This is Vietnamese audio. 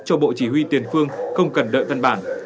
cho bộ chỉ huy tiền phương không cần đợi văn bản